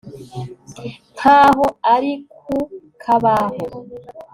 nk'aho ari ku kabaho